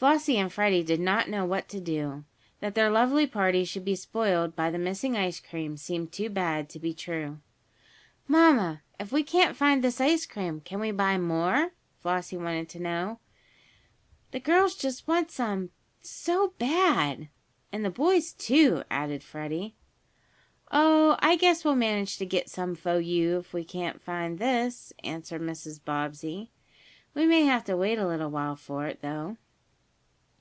Flossie and Freddie did not know what to do. That their lovely party should be spoiled by the missing ice cream seemed too bad to be true. "Mamma, if we can't find this ice cream, can't we buy more?" Flossie wanted to know. "The girls just want some so bad!" "And the boys, too," added Freddie. "Oh, I guess we'll manage to get some fo you, if we can't find this," answered Mrs. Bobbsey. "We may have to wait a little while for it, though."